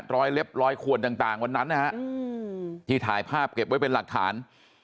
เล็บรอยขวนต่างวันนั้นนะฮะที่ถ่ายภาพเก็บไว้เป็นหลักฐาน